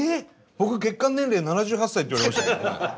僕血管年齢７８歳って言われましたけど。